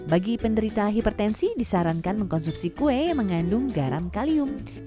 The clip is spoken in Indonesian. bagi penderita hipertensi disarankan mengkonsumsi kue yang mengandung garam kalium